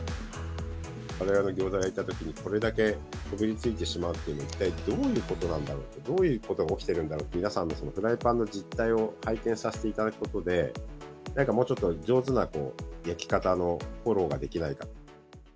われわれのギョーザを焼いたときに、これだけこびりついてしまうっていうのは、一体どういうことなんだろうと、どういうことが起きてるんだろうと、皆さんのフライパンの実態を拝見させていただくことで、なんかもうちょっと上手な焼き方のフォローができないか。